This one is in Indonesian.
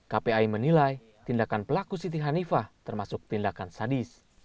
kpai menilai tindakan pelaku siti hanifah termasuk tindakan sadis